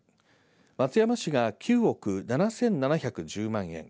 松山市が９億７７１０万円